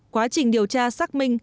quá trình điều tra xác minh